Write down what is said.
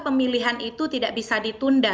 pemilihan itu tidak bisa ditunda